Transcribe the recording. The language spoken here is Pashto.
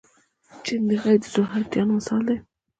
چنډخې د ذوحیاتین مثال دی